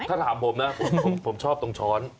ถ้าถามผมนะผมชอบตรงช้อน